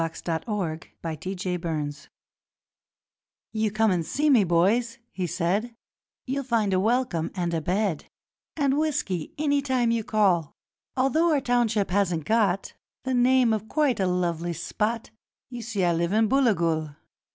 Hay and Hell and Booligal 'You come and see me, boys,' he said; 'You'll find a welcome and a bed And whisky any time you call; Although our township hasn't got The name of quite a lively spot You see, I live in Booligal.